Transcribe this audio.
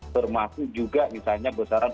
termasuk juga misalnya besaran